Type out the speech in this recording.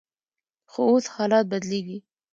خو اوس حالات بدلیږي.